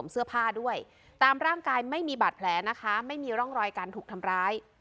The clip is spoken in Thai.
เสื้อผ้าด้วยตามร่างกายไม่มีบาดแผลนะคะไม่มีร่องรอยการถูกทำร้าย